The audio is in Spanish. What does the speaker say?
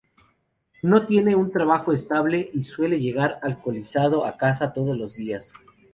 No tiene un trabajo estable y suele llegar alcoholizado a casa todos los días.